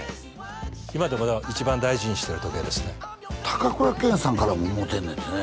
今でもだから一番大事にしてる時計ですね高倉健さんからももろうてんねんてね？